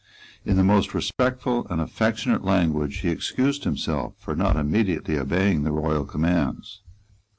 In the most respectful and affectionate language he excused himself for not immediately obeying the royal commands.